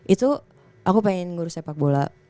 itu aku pengen ngurus sepak bola